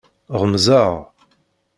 Ɣemzeɣ.